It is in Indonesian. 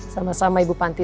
sama sama ibu panti